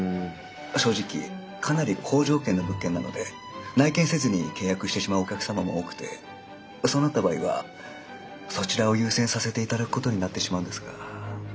正直かなり好条件の物件なので内見せずに契約してしまうお客様も多くてそうなった場合はそちらを優先させていただくことになってしまうんですが。